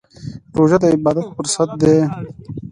روژه د عبادت فرصت دی.